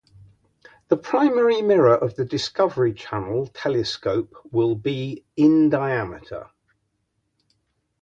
The primary mirror of the Discovery Channel Telescope will be in diameter.